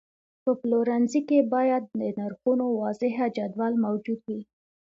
په پلورنځي کې باید د نرخونو واضحه جدول موجود وي.